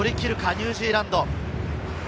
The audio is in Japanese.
ニュージーランド。